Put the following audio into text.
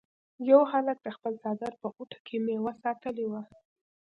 یو هلک د خپل څادر په غوټه کې میوه ساتلې وه.